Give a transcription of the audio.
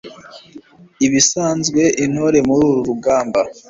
ibisabwa intore muri uru rugamba